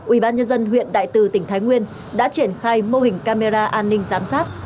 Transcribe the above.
ubnd huyện đại từ tỉnh thái nguyên đã triển khai mô hình camera an ninh giám sát